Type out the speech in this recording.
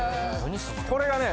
これがね